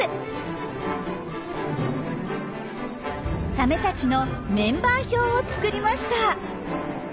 サメたちのメンバー表を作りました。